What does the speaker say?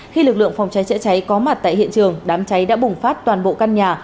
khi lực lượng phòng cháy chữa cháy có mặt tại hiện trường đám cháy đã bùng phát toàn bộ căn nhà